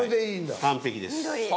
完璧です。